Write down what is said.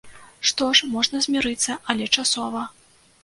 Што ж, можна змірыцца, але часова.